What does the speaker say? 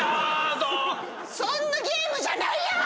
そんなゲームじゃないやん！